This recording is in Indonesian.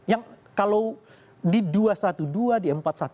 yang kalau di dua ratus dua belas di empat ratus dua belas